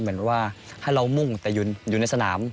มันว่าให้เรามุ่งแต่ยุนยุนในสนาม